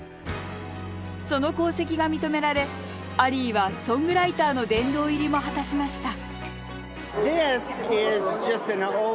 その功績が認められアリーはソングライターの殿堂入りも果たしました